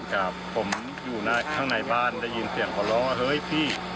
ครับผมอยู่ข้างในบ้านได้ยินเสียงเขาร้องว่าเฮ้ยพี่